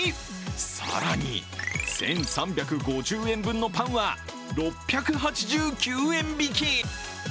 更に１３５０円分のパンは６８９円引き。